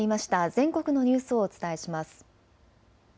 全国のニュースをお伝えします。